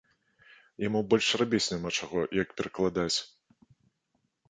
Яму больш рабіць няма чаго, як перакладаць.